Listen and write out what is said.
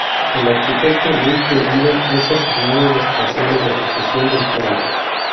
El arquitecto Luis Bellido es asignado responsable de ejecución del Plan.